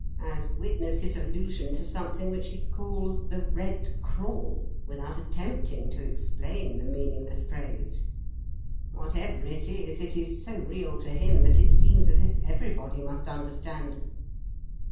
As witness his allusion to something which he calls 'The Red Crawl,' without attempting to explain the meaningless phrase. Whatever it is, it is so real to him that it seems as if everybody must understand."